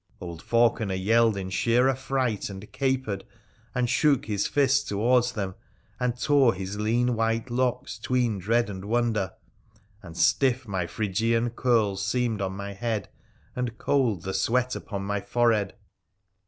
Old Faulkener yelled in sheer affright, and capered, and shook his fists towards them, and tore his lean white locks 'tween dread and wonder ; and stiff my Phrygian curls seemed on my head, and cold the sweat upon my forehead.